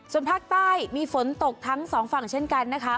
ส่วนภาคใต้มีฝนตกทั้งสองฝั่งเช่นกันนะคะ